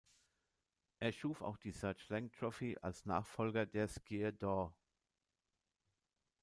Er schuf auch die »Serge Lang-Trophy« als Nachfolger des »Skieur d’Or«.